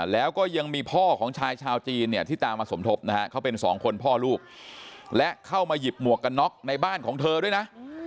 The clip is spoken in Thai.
แล้วก็ยังมีพ่อของชายชาวจีนเนี่ยที่ตามมาสมทบนะฮะเขาเป็นสองคนพ่อลูกและเข้ามาหยิบหมวกกันน็อกในบ้านของเธอด้วยนะ